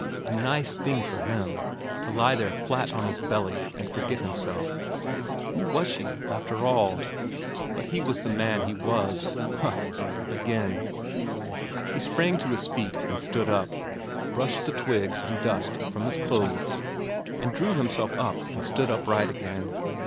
A nice thing for him to lie there flat on his belly and forget himself. Who was she, after all? But he was the man he was. Huh! again. He sprang to his feet and stood up. Brushed the twigs and dust from his clothes and drew himself up and stood upright again.